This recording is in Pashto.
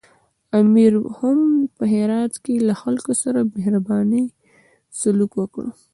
امیر هم په هرات کې له خلکو سره په مهربانۍ سلوک وکړ.